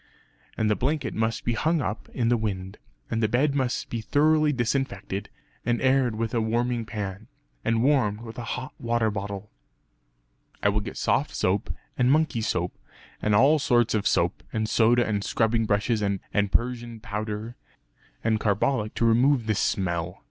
And the blanket must be hung up in the wind; and the bed must be thoroughly disinfected, and aired with a warming pan; and warmed with a hot water bottle." "I will get soft soap, and monkey soap, and all sorts of soap; and soda and scrubbing brushes; and persian powder; and carbolic to remove the smell.